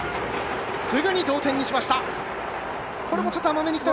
すぐに同点にしました。